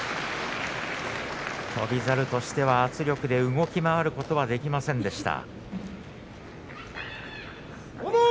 翔猿としては圧力で動き回ることはできませんでした。